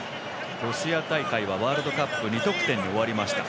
ロシア大会はワールドカップ２得点で終わりました。